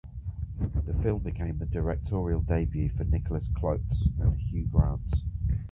The film became the directorial debut for Nicolas Klotz and Hugh Grant.